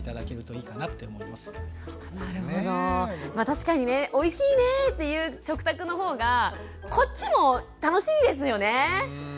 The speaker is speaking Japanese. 確かにねおいしいねっていう食卓の方がこっちも楽しいですよね。